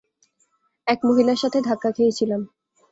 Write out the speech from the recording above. এক মহিলার সাথে ধাক্কা খেয়েছিলাম।